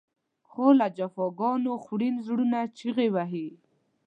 خو له جفاګانو خوړین زړونه چغې وهي.